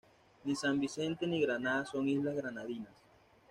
Ni San Vicente ni Granada son islas Granadinas.